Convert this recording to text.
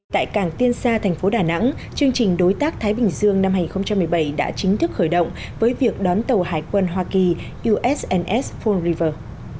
tại cảng tiên sa thành phố đà nẵng chương trình đối tác thái bình dương năm hai nghìn một mươi bảy đã chính thức khởi động với việc đón tàu hải quân hoa kỳ ussns forld river